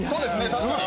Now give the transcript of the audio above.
確かに！